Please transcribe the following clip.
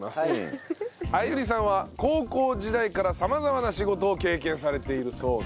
歩里さんは高校時代から様々な仕事を経験されているそうで。